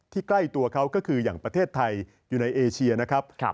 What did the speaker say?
ใกล้ตัวเขาก็คืออย่างประเทศไทยอยู่ในเอเชียนะครับ